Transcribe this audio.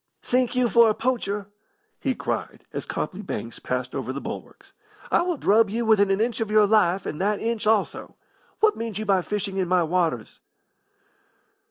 "Sink you for a poacher!" he cried, as Copley Banks passed over the bulwarks. "I will drub you within an inch of your life, and that inch also! What mean you by fishing in my waters?"